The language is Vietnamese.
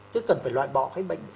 chứ cần phải loại bỏ cái bệnh